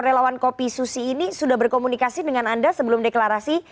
relawan kopi susi ini sudah berkomunikasi dengan anda sebelum deklarasi